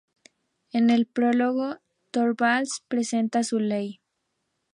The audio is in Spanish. En el prólogo, Torvalds presenta su ley.